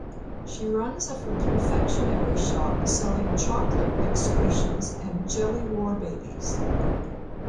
She runs a confectionery shop selling "chocolate excretions" and "jelly war babies".